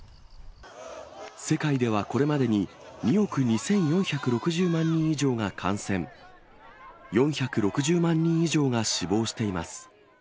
世界ではこれまでに、２億２４６０万人以上が感染、４６０万人以上が死亡しています。